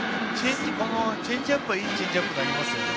チェンジアップはいいチェンジアップ投げますね。